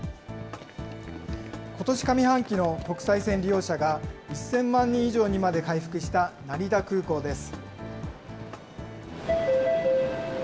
ことし上半期の国際線利用者が１０００万人以上にまで回復した成田空港です。